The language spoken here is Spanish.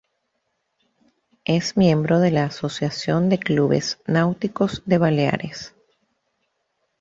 Es miembro de la Asociación de Clubes Náuticos de Baleares.